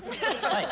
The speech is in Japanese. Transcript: はい。